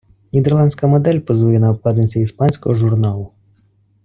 Нідерландська модель позує на обкладинці іспанського журналу.